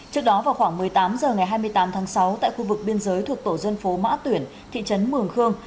trước đó vào khoảng một mươi tám h ngày hai mươi tám tháng sáu tại khu vực biên giới thuộc tổ dân phố mã tuyển thị trấn mường khương